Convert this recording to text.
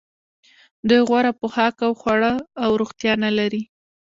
دوی غوره پوښاک او خواړه او روغتیا نلري